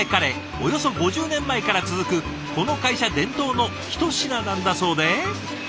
およそ５０年前から続くこの会社伝統の一品なんだそうで。